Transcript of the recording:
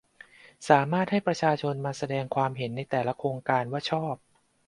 สามารถให้ประชาชนมาแสดงความเห็นในแต่ละโครงการว่าชอบ